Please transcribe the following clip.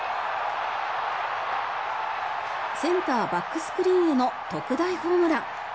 センターバックスクリーンへの特大ホームラン。